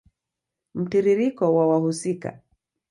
Mtiririko wa wahusika